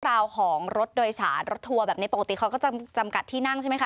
ราวของรถโดยสารรถทัวร์แบบนี้ปกติเขาก็จะจำกัดที่นั่งใช่ไหมคะ